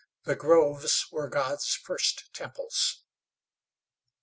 "The Groves Were God's First Temples."